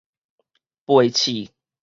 背刺